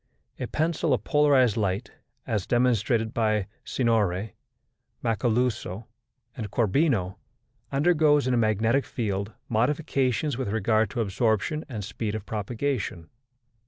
A pencil of polarized light, as demonstrated by Signori Macaluzo and Corbino, undergoes, in a magnetic field, modifications with regard to absorption and speed of propagation.